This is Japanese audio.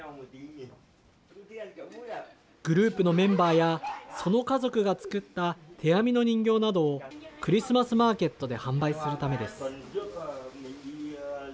グループのメンバーやその家族が作った手編みの人形などをクリスマスマーケットで販売するためです。